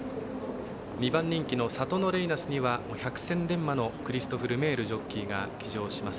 ２番人気のサトノレイナスには百戦錬磨のクリストフ・ルメールジョッキーが騎乗します。